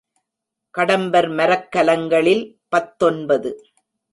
கடம்பர் மரக்கலங்களில் பத்தொன்பது.